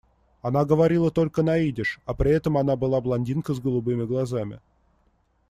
Она говорила только на идиш, а при этом она была блондинка с голубыми глазами.